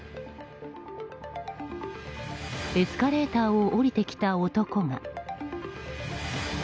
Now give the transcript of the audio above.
エスカレーターを下りてきた男が。